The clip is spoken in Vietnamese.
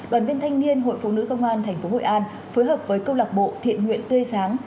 đoàn viên thanh niên hội phụ nữ công an tp hội an phối hợp với câu lạc bộ thiện nguyện tươi sáng